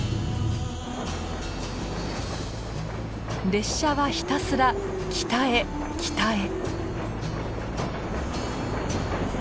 列車はひたすら北へ北へ。